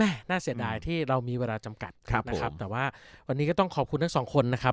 น่าเสียดายที่เรามีเวลาจำกัดครับนะครับแต่ว่าวันนี้ก็ต้องขอบคุณทั้งสองคนนะครับ